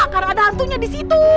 karena ada hantunya disitu